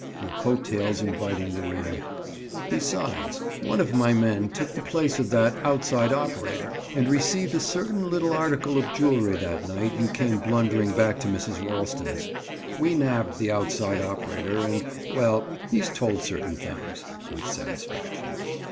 your coat tails inviting the ring—Besides, one of my men took the place of that outside operator and received a certain little article of jewelry that night you came blundering back to Mrs. Ralston's. We nabbed the outside operator and—well, he's told certain things." With satisfaction.